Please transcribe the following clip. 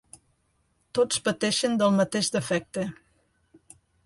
Tots pateixen del mateix defecte.